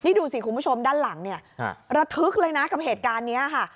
นี่ดูสิคุณผู้ชมด้านหลังเนี่ยระทึกเลยนะกับเหตุการณ์นี้ค่ะ